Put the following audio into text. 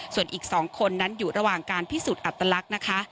ส่วนอีก๒คนนั้นอยู่ระหว่างการพิสูจน์อัตลักษณ์นะคะ